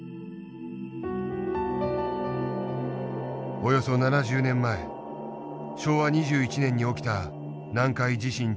およそ７０年前昭和２１年に起きた南海地震直後の写真です。